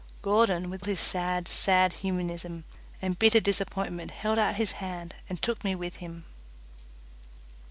Gordon, with his sad, sad humanism and bitter disappointment, held out his hand and took me with him.